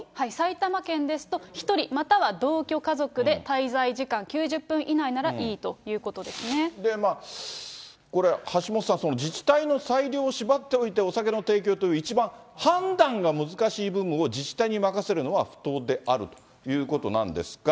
埼玉県ですと１人または同居家族で、滞在時間９０分以内ならこれ、橋下さん、自治体の裁量を縛っておいて、お酒の提供っていう、一番判断が難しい部分を自治体に任せるのは不当であるということなんですが。